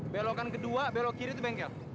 belokan kedua belok kiri itu bengkel